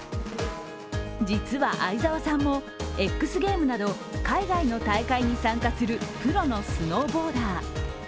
実は相澤さんもＸＧａｍｅｓなど海外の大会に参加するプロのスノーボーダー。